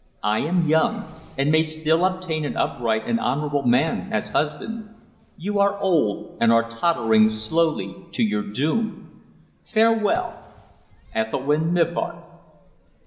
I am young, and may still obtain an upright and honourable man as husband. You are old, and are tottering slowly to your doom. Farewell._ "ETHELWYNN MIVART."